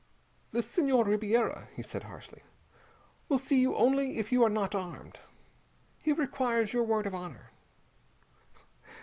"The Senhor Ribiera," he said harshly, "will see you only if you are not armed. He requires your word of honor."